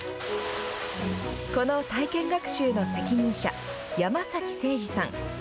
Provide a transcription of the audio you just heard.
この体験学習の責任者山崎清治さん。